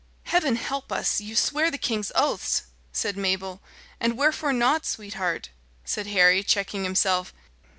"Heaven help us! you swear the king's oaths," said Mabel. "And wherefore not, sweetheart?" said Harry, checking himself.